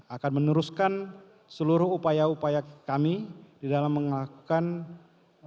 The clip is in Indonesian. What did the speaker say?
akan meneruskan seluruh upaya upaya kami di dalam menghasilkan produk yang berhasil